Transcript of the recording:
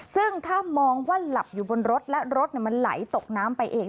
ซึ่งถ้ามองว่าหลับอยู่บนรถและรถมันไหลตกน้ำไปเอง